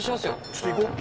ちょっと行こう。